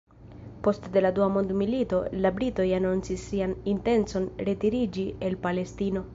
Poste de la Dua Mondmilito, la britoj anoncis sian intencon retiriĝi el Palestino.